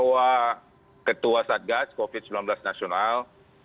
bahwa ketua satgas covid sembilan belas nasional